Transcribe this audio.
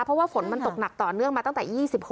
เพราะว่าฝนมันตกหนักต่อเนื่องมาตั้งแต่๒๖